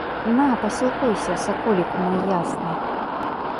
На, пасілкуйся, саколіку мой ясны!